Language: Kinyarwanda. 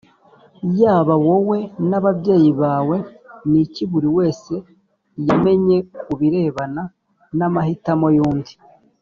Yaba wowe n ababyeyi bawe ni iki buri wese yamenye ku birebana n amahitamo y undi